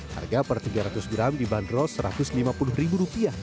harga per tiga ratus gram dibanderol rp satu ratus lima puluh